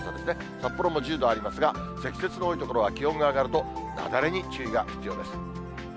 札幌も１０度ありますが、積雪の多い所は気温が上がると雪崩に注意が必要です。